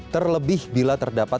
terlebih bila terdapat